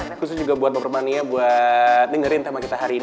ini khusus juga buat normania buat dengerin tema kita hari ini